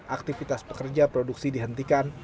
aktivitas pekerja produksi dihentikan